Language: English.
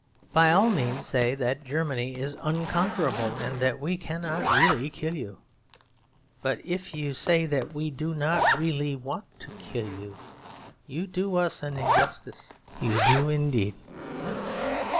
By all means say that Germany is unconquerable and that we cannot really kill you. But if you say that we do not really want to kill you, you do us an injustice. You do indeed.